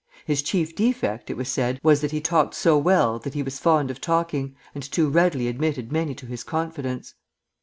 His chief defect, it was said, was that he talked so well that he was fond of talking, and too readily admitted many to his confidence.